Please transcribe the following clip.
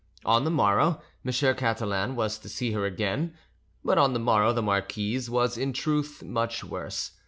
On the morrow M. Catalan was to see her again; but on the morrow the marquise was, in truth, much worse.